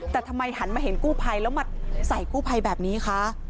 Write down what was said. แต่ทำไมหันมาเห็นกู้ภัยแล้วมาใส่กู้ภัยแบบนี้คะ